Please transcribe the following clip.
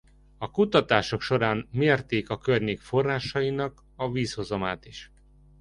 A kutatások során mérték a környék forrásainak a vízhozamát is.